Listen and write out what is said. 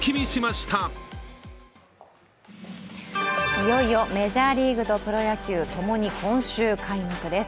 いよいよメジャーリーグとプロ野球、今週ともに開幕です。